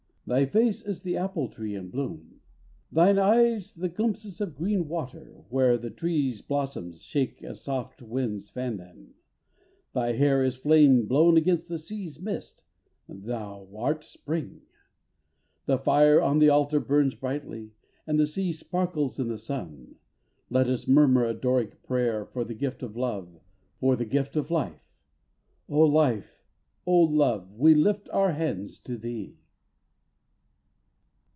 Thy face is the apple tree in bloom; Thine eyes the glimpses of green water When the tree's blossoms shake As soft winds fan them. Thy hair is flame blown against the sea's mist Thou art spring. The fire on the altar burns brightly, And the sea sparkles in the sun. Let us murmur a Doric prayer For the gift of love, For the gift of life, Oh Life! Oh Love! We lift our hands to thee!